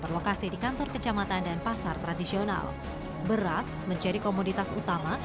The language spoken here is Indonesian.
berlokasi di kantor kecamatan dan pasar tradisional beras menjadi komoditas utama